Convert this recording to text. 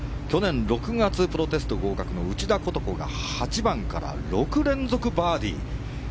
去年６月プロテスト合格の内田ことこが８番から６連続バーディー。